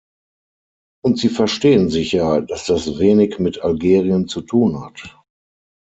Und Sie verstehen sicher, dass das wenig mit Algerien zu tun hat.